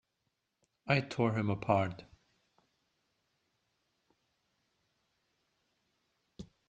I tore him apart!